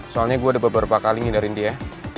soalnya gue ada beberapa kali ngindarin dia